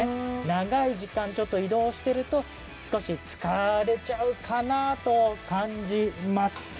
長い時間、移動していると少し疲れてしまうかなと感じます。